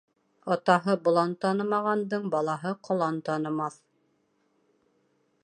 Атаһы болан танымағандың балаһы ҡолан танымаҫ.